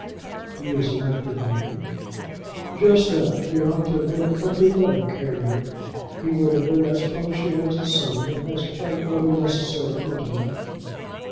"He is an active man." "Just that. He ought to have been a country letter carrier. He would have been as punctual as the sun, and has quite all the necessary intellect."